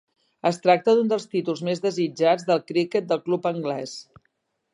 Es tracta d'un dels títols més desitjats del criquet del club anglès.